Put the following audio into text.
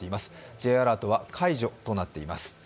Ｊアラートは解除となっています。